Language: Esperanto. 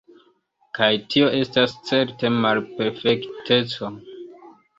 Kaj tio estas certe malperfekteco.